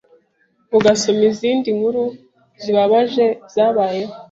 ugasoma izindi nkuru zibabaje zabayeho